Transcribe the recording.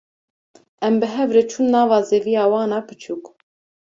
Em bi hev re çûn nava zeviya wan a biçûk.